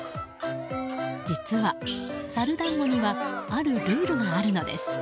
実はサル団子にはあるルールがあるのです。